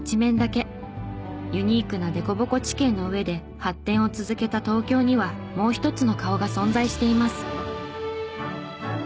ユニークな凸凹地形の上で発展を続けた東京にはもう一つの顔が存在しています。